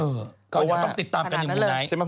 เพราะว่าต้องติดตามกันอยู่เมื่อไหน